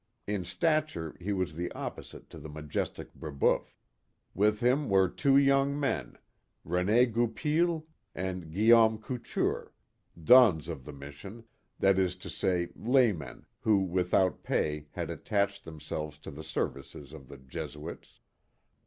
In stature he was the opposite to the majestic Brebeuf. With him were two young men, Rene Goupil and Guillaume Couture — donnes of the mission — that is to say, laymen, who, with out pay, had attached themselves to the services of the Jesuits.